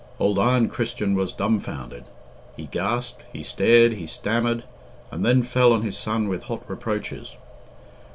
Old Iron Christian was dumbfounded. He gasped, he stared, he stammered, and then fell on his son with hot reproaches.